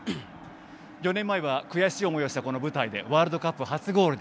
４年前は悔しい思いをしてワールドカップ初ゴール。